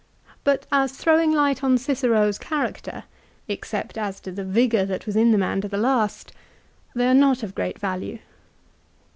But as throw ing light on Cicero's character, except as to the vigour that was in the man to the last, they are not of great value.